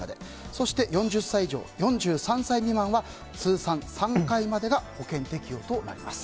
そして、４０歳以上４３歳未満は通算３回までが保険適用となります。